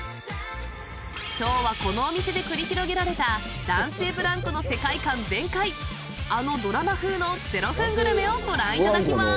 今日は、このお店で繰り広げられた男性ブランコの世界観全開あのドラマ風の０分グルメをご覧いただきます。